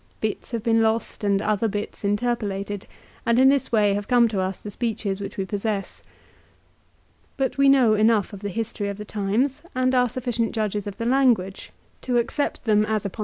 Bits have been lost and other bits interpolated, and in this way have come to us the speeches which we possess. But we know enough of the history of the times, and are sufficient judges of the language to accept them as upon the 1 Quint, lib.